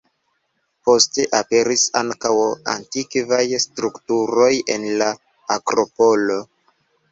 Poste, aperis ankaŭ antikvaj strukturoj en la akropolo.